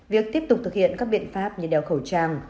việc tiếp tục thực hiện các biện pháp như đeo khẩu trang